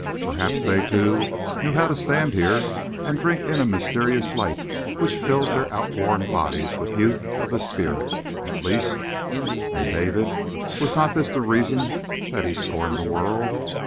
Perhaps they, too, knew how to stand here and drink in a mysterious light which filled their outworn bodies with youth of the spirit, at least. And David? Was not this the reason that he scorned the world?